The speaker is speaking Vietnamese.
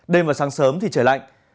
đêm và sáng sớm thì trời lạnh